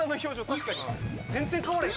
確かに全然変わらへん